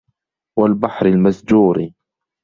وَالبَحرِ المَسجورِ